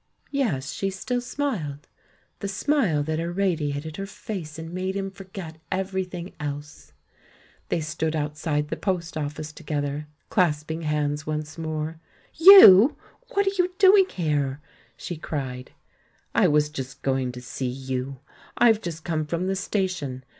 Yes, she still smiled — the smile that irradiated her face and made him forget everything else! Thej^ stood outside the post office together, clasp ing hands once more. "You! what are you doing here?" she cried. "I was just going to see you, I've just come from the station.